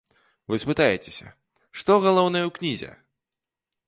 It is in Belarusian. Вы спытаецеся, што галоўнае ў кнізе?